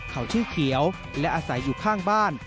เขาชื่อเขียวและอาศัยอยู่ข้างบ้าน